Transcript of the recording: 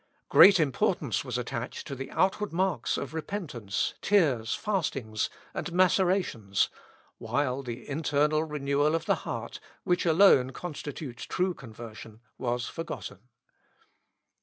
Great importance was attached to the outward marks of repentance, tears, fastings, and macerations, while the internal renewal of the heart, which alone constitutes true conversion, was forgotten.